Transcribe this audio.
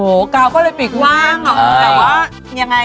โอ้โฮกราวก็เลยปิดว่างหรือเปล่า